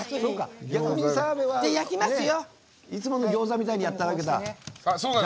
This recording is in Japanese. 澤部はいつものギョーザみたいにやったんだ。